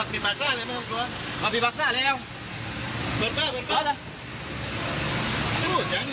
พี่ใจเย็นเดี๋ยวเดี๋ยวเส้าไว้บ้าง